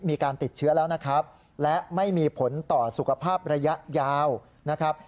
มีการติดเชื้อแล้วนะครับและไม่มีผลต่อสุขภาพระยะยาวนะครับ